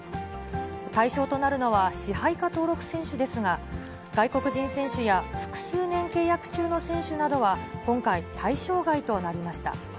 対象となるのは、支配下登録選手ですが、外国人選手や複数年契約中の選手などは、今回、対象外となりました。